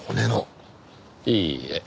いいえ。